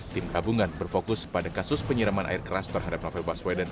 tim gabungan berfokus pada kasus penyiraman air keras terhadap novel baswedan